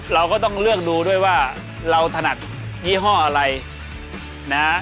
เราก็ต้องเลือกดูด้วยว่าเราถนัดยี่ห้ออะไรนะฮะ